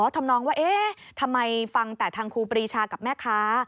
ทำนองว่าเอ๊ะทำไมฟังแต่ทางครูปรีชากับแม่ค้า